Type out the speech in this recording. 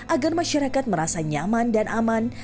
agar masyarakat merasa nyaman dan aman